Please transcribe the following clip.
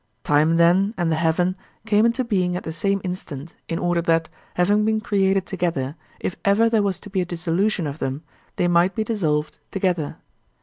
Time, then, and the heaven came into being at the same instant in order that, having been created together, if ever there was to be a dissolution of them, they might be dissolved together.